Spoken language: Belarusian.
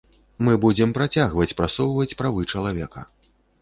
Мы будзем працягваць прасоўваць правы чалавека.